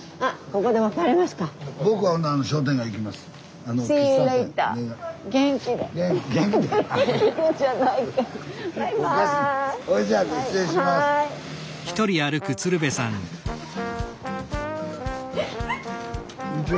こんにちは。